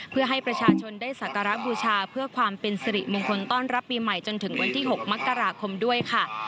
เพื่อให้ประชาชนได้สักการะบูชาเพื่อความเป็นสิริมงคลต้อนรับปีใหม่จนถึงวันที่๖มกราคมด้วยค่ะ